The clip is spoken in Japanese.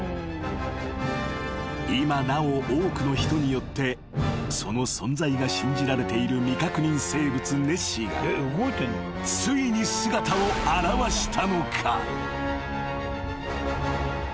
［今なお多くの人によってその存在が信じられている未確認生物ネッシーがついに姿を現したのか？］